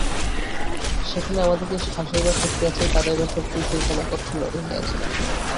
যেখানে আমাদিগকে হাসাইবার শক্তি আছে, কাঁদাইবার শক্তিও সেইখানেই প্রচ্ছন্ন রহিয়াছে।